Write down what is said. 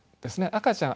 赤ちゃん